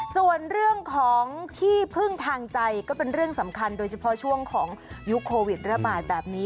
ส่วนเรื่องของที่พึ่งทางใจก็เป็นเรื่องสำคัญโดยเฉพาะช่วงของยุคโควิดระบาดแบบนี้